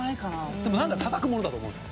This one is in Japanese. でもなんか叩くものだと思うんですよ。